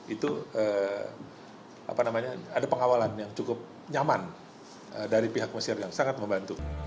itu ada pengawalan yang cukup nyaman dari pihak mesir yang sangat membantu